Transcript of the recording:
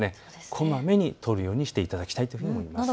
こまめにとるようにしていただきたいと思います。